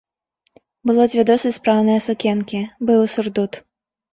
Было дзве досыць спраўныя сукенкі, быў і сурдут.